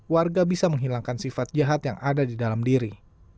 warga bisa menghilangkan sifat jahat yang ada di dalam diri